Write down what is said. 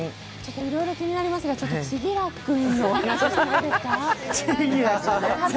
いろいろ気になりますが、千輝君のお話ししてもいいですか？